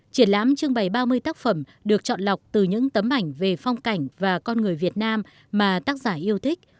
triển lãm trưng bày ba mươi tác phẩm được chọn lọc từ những tấm ảnh về phong cảnh và con người việt nam mà tác giả yêu thích